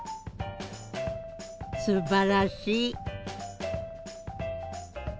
すばらしい。